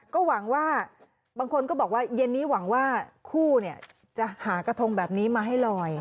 ก็หวังว่าบางคนก็บอกว่าเย็นนี้หวังว่าคู่จะหากระทงแบบนี้มาให้ลอย